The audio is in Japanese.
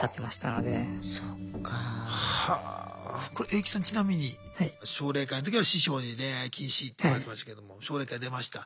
エイキチさんちなみに奨励会の時は師匠に恋愛禁止って言われてましたが奨励会出ました